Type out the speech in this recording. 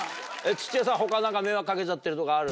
土屋さん他何か迷惑かけちゃってるとかある？